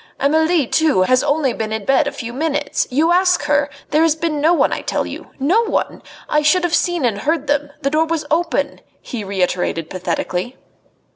Amelie, too, has only been in bed a few minutes. You ask her! There has been no one, I tell you no one! I should have seen and heard them the door was open," he reiterated pathetically.